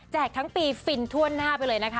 ทั้งปีฟินทั่วหน้าไปเลยนะคะ